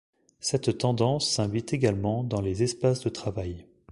Cette tendance s’invite également dans les espaces de travail.